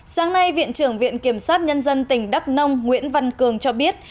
sáng nay viện trưởng viện kiểm sát nhân dân tỉnh đắk nông nguyễn văn cường cho biết